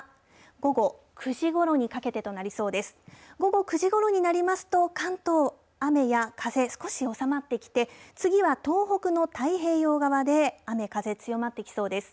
午後９時ごろになりますと、関東、雨や風、少し収まってきて、次は東北の太平洋側で、雨、風、強まってきそうです。